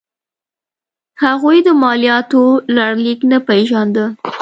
هغوی د مالوماتو لړلیک نه پېژانده.